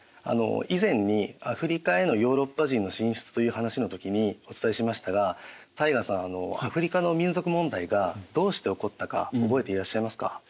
以前にアフリカへのヨーロッパ人の進出という話の時にお伝えしましたが汰雅さんアフリカの民族問題がどうして起こったか覚えていらっしゃいますか？